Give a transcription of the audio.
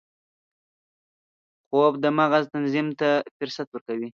خوب د مغز تنظیم ته فرصت ورکوي